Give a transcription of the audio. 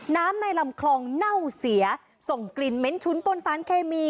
น้ำในหล่ำคลองเน่าเสียส่งกลิ่นเม้นชุ้นตนสารเคมี